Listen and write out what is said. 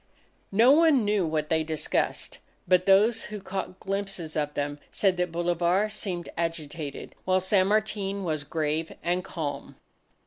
No one knew what they discussed. But those who caught glimpses of them, said that Bolivar seemed agitated, while San Martin was grave and calm.